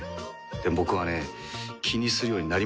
でも僕はね気にするようになりましたね。